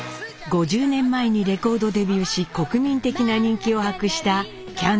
５０年前にレコードデビューし国民的な人気を博したキャンディーズ。